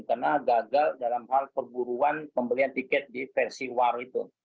karena gagal dalam hal perburuan pembelian tiket di versi war itu